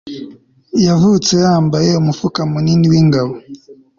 yavutse yambaye umufuka munini wingabo